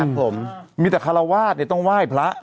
ครับผมมีแต่คารวาสเนี่ยต้องไหว้พระ